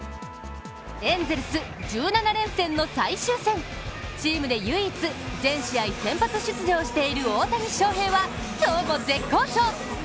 エンゼルス１７連戦の最終戦チームで唯一、全試合先発出場している大谷翔平は、今日も絶好調！